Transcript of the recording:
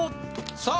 さあ